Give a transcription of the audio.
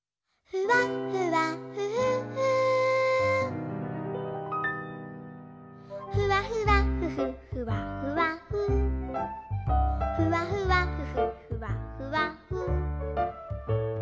「ふわふわふふふわふわふふわふわふふふわふわふ」